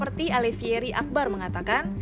seperti alevieri akbar mengatakan